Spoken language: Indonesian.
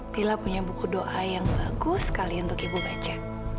tila punya buku doa yang bagus sekali untuk ibu baca